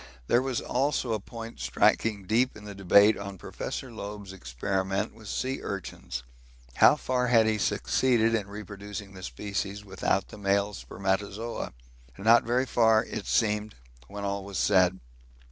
There was also a point striking deep in the debate on Professor Loeb's experiments with sea urchins; how far had he succeeded in reproducing the species without the male spermatozoa? Not very far, it seemed, when all was said.